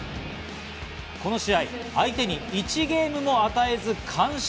この試合、相手に１ゲームも与えず完勝。